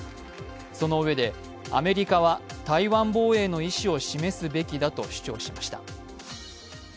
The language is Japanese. そのうえで、アメリカは台湾防衛の意思を示すべきだと主張しました。